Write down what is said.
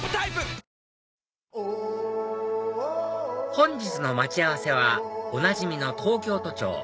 本日の待ち合わせはおなじみの東京都庁